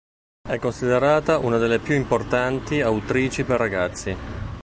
È considerata una delle più importanti autrici per ragazzi.